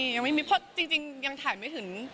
ยังไม่มีเพราะจริงยังถ่ายไม่ถึง